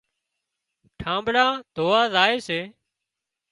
ٺانٻڙان ڌووا زائي سي